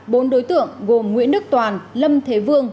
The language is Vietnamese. bốn đối tượng gồm nguyễn đức toàn lâm thế vương